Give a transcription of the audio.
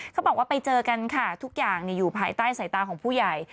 เขาบอกว่าไปเจอกันค่ะทุกอย่างอยู่ภายใต้สายตาของผู้ใหญ่